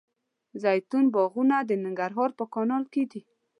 زیتون باغونه د ننګرهار په کانال کې دي.